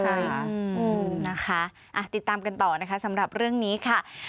นะคะติดตามกันต่อนะคะสำหรับเรื่องนี้ค่ะ